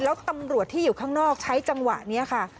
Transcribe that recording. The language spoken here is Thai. แล้วตำรวจที่อยู่ข้างนอกใช้จังหวะนี้ค่ะ